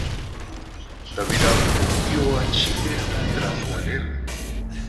Tavira volvió a Chile tras la guerra.